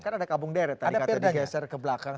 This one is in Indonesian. kan ada kabung deret tadi kata digeser ke belakang